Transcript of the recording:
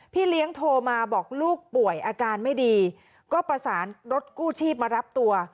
เลี้ยงโทรมาบอกลูกป่วยอาการไม่ดีก็ประสานรถกู้ชีพมารับตัว